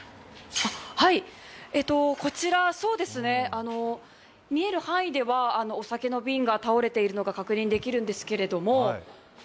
こちら、見える範囲ではお酒の瓶が倒れているのが確認できるんですが。